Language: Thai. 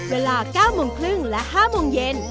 เวลา๙โมงครึ่งและ๕โมงเย็น